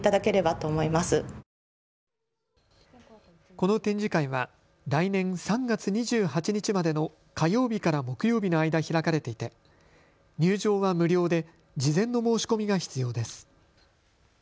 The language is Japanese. この展示会は来年３月２８日までの火曜日から木曜日の間開かれていて、入場は無料で事前の申し込みが必要です。